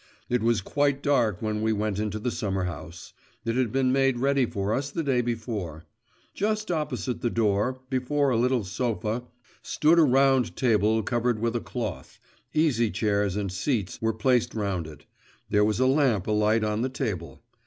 It was quite dark when we went into the summer house; it had been made ready for us the day before. Just opposite the door, before a little sofa, stood a round table covered with a cloth; easy chairs and seats were placed round it; there was a lamp alight on the table.